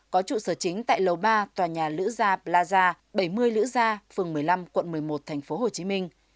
có trụ sở chính tại lầu ba tòa nhà lữ gia plaza bảy mươi lữ gia phường một mươi năm quận một mươi một thành phố hồ chí minh